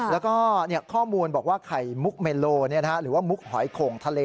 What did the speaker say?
แล้วก็ข้อมูลบอกว่าไข่มุกเมโลหรือว่ามุกหอยโข่งทะเล